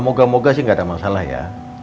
moga moga sih nggak ada masalah ya